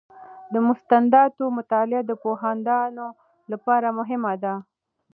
د مستنداتو مطالعه د پوهاندانو لپاره مهمه ده.